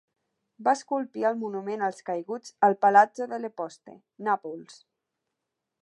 Va esculpir el monument als caiguts al Palazzo delle Poste, Nàpols.